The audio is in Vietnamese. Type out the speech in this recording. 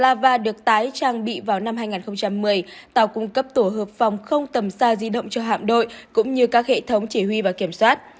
trong đó hạm đội biển đen đã được tài hóa và tài hóa trang bị vào năm hai nghìn một mươi tàu cung cấp tổ hợp phòng không tầm xa di động cho hạm đội cũng như các hệ thống chỉ huy và kiểm soát